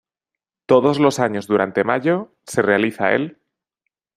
Todos los años durante mayo, se realiza el